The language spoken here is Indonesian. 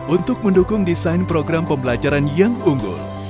untuk mendukung desain program pembelajaran yang unggul